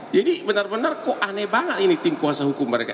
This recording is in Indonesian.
jadi benar benar kok aneh banget ini tim kuasa hukum mereka